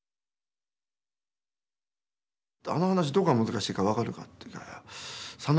「あの噺どこが難しいか分かるか」って言うから「いや」。